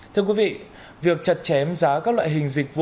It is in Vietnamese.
thưa quý vị việc chặt chém giá các loại hình dịch vụ